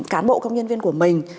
cán bộ công nhân viên của mình